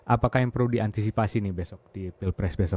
apakah yang perlu diantisipasi nih besok di pilpres besok